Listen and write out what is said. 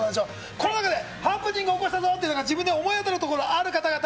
ここまででハプニング起こしたぞと、自分で思い当たるところ、ある方々。